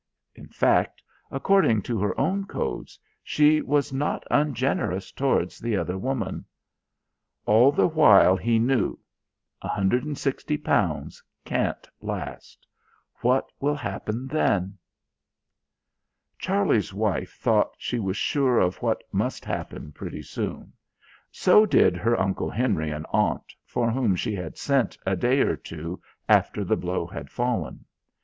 In fact, according to her own codes, she was not ungenerous towards the other woman. All the while he knew: £160 can't last. What will happen when...? Charlie's wife thought she was sure of what must happen pretty soon. So did her Uncle Henry and Aunt, for whom she had sent a day or two after the blow had fallen.